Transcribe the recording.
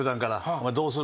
「お前どうする？」